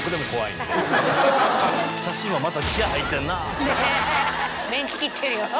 ねっメンチ切ってるよ。